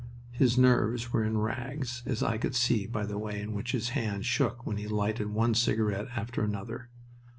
His nerves were in rags, as I could see by the way in which his hand shook when he lighted one cigarette after another.